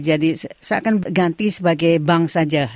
jadi saya akan ganti sebagai bangsa